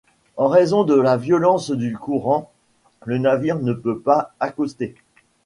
En raison de la violence du courant, le navire ne peut pas accoster.